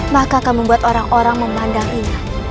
maka kamu buat orang orang memandang rina